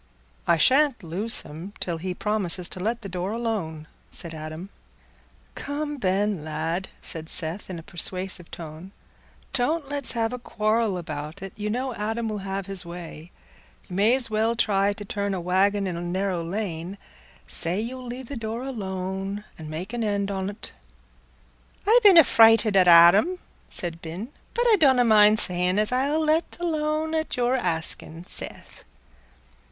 "I shan't loose him till he promises to let the door alone," said Adam. "Come, Ben, lad," said Seth, in a persuasive tone, "don't let's have a quarrel about it. You know Adam will have his way. You may's well try to turn a waggon in a narrow lane. Say you'll leave the door alone, and make an end on't." "I binna frighted at Adam," said Ben, "but I donna mind sayin' as I'll let 't alone at your askin', Seth."